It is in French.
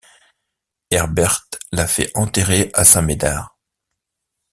Herbert la fait enterrer à Saint-Médard.